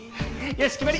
よし決まり！